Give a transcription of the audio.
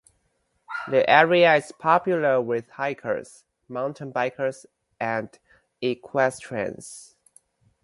The area is popular with hikers, mountain bikers, and equestrians.